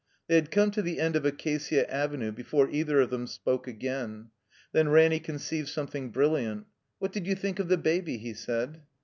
They had come to the end of Acacia Avenue before either of them spoke again. Then Ranny conceived something brilliant. "What did you think of the Baby?" he said.